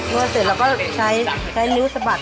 วดเสร็จเราก็ใช้นิ้วสะบัด